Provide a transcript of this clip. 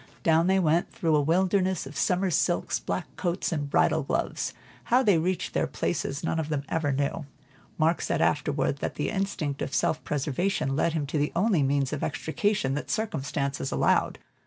Down they went, through a wilderness of summer silks, black coats, and bridal gloves. How they reached their places none of them ever knew; Mark said afterward, that the instinct of self preservation led him to the only means of extrication that circumstances allowed.